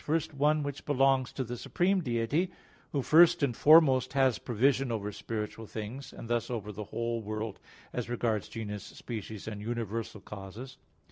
First, one which belongs to the supreme Deity, Who first and foremost has provision over spiritual things, and thus over the whole world as regards genus, species, and universal causes.